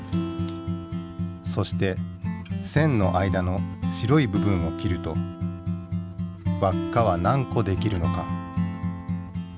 そして線の間の白い部分を切ると輪っかは何個できるのか？